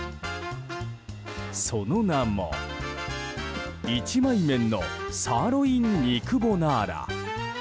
その名も一枚麺のサーロイン肉ボナーラ。